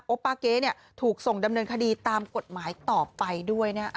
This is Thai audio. ป้าเก๊ถูกส่งดำเนินคดีตามกฎหมายต่อไปด้วยนะ